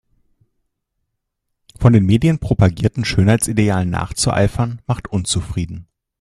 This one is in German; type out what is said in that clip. Von den Medien propagierten Schönheitsidealen nachzueifern macht unzufrieden.